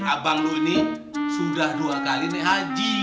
abang lu ini sudah dua kali nih haji